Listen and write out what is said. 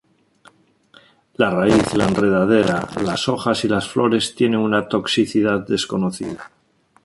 La raíz, la enredadera, las hojas y las flores tienen una toxicidad desconocida.